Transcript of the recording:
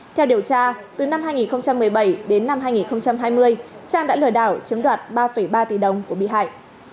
theo điều tra từ năm hai nghìn một mươi bảy đến năm hai nghìn hai mươi trang đã lừa đảo chiếm đoạt ba ba tỷ đồng của bị hại